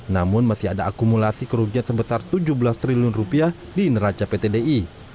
namun masih ada akumulasi kerugian sebesar tujuh belas triliun rupiah di neraca pt di